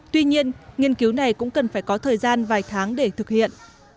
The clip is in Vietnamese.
tuy nhiên nghiên cứu này cũng cần phải có thời gian vài tháng để thực hiện